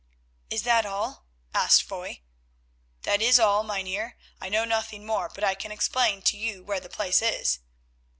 "Is that all?" asked Foy. "That is all, Mynheer, I know nothing more, but I can explain to you where the place is."